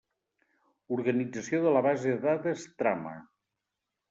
Organització de la base de dades trama.